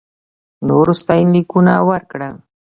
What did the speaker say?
نورو ستاینلیکونه ورکړل.